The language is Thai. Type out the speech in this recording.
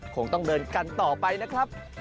คงต้องเดินกันต่อไปนะครับ